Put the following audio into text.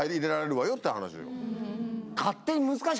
って話よ。